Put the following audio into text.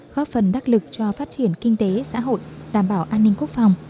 góp phần đắc lực cho phát triển kinh tế xã hội đảm bảo an ninh quốc phòng